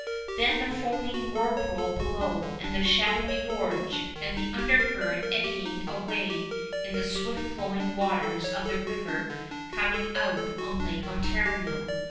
Then the foaming whirlpool below, and the shadowy gorge, and the undercurrent eddying away in the swift flowing waters of the river coming out on Lake Ontario.